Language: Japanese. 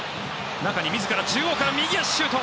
中に自ら中央から右足シュート！